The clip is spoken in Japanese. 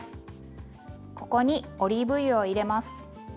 ここにオリーブ油を入れます。